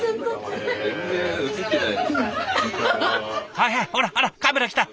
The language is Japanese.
はいはいほらほらカメラ来た！